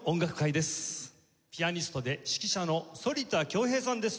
ピアニストで指揮者の反田恭平さんです。